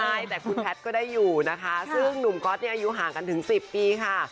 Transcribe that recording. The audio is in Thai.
ใช่แต่คุณแพทย์ก็ได้อยู่นะคะซึ่งหนุ่มก๊อตเนี่ยอายุห่างกันถึง๑๐ปีค่ะ